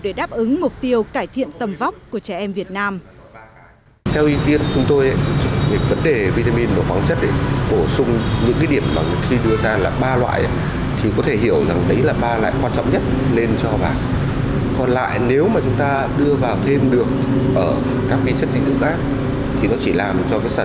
để đáp ứng thêm hai mươi một vi chất mới đủ để đáp ứng mục tiêu cải thiện tầm vóc của trẻ em việt nam